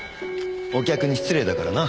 お客に失礼だからな。